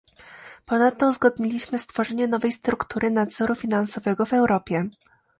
Ponadto uzgodniliśmy stworzenie nowej struktury nadzoru finansowego w Europie